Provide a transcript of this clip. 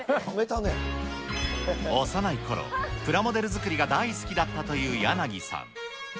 幼いころ、プラモデル作りが大好きだったという柳さん。